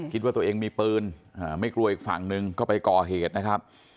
คิดว่าตัวเองมีปืนไม่กลัวอีกฝั่งหนึ่งก็ไปก่อเหตุนะครับ